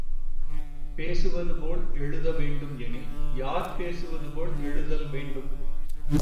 பேசுவதுபோல் எழுத வேண்டும் எனில், யார் பேசுவது போல் எழுதல் வேண்டும்.